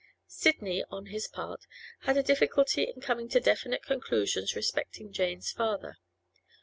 Sidney, on his part, had a difficulty in coming to definite conclusions respecting Jane's father.